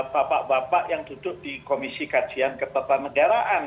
bapak bapak yang duduk di komisi kajian ketatanegaraan